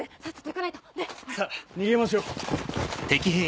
さぁ逃げましょう。